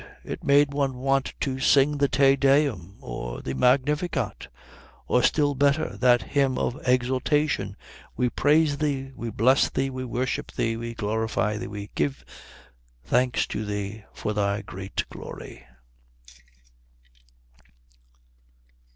It made one want to sing the Te Deum, or the Magnificat, or still better that hymn of exultation, We praise Thee, we bless Thee, we worship Thee, we glorify Thee, we give thanks to Thee for Thy great glory....